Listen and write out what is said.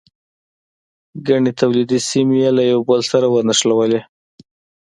ګڼې تولیدي سیمې یې له یو بل سره ونښلولې.